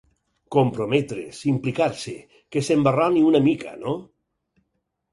Comprometre's, implicar-se: Que s'embarroni una mica no?